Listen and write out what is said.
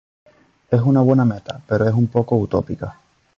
Es una buena meta, pero es un poco utópica".